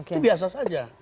itu biasa saja